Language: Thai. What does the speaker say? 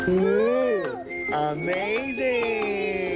อู้วอาเมย์ซิ่ง